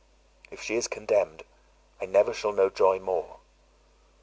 If she is condemned, I never shall know joy more.